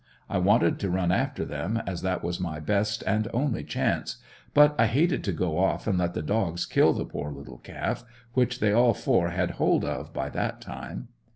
I wanted to run after them as that was my best and only chance, but I hated to go off and let the dogs kill the poor little calf which they all four had hold of by that time.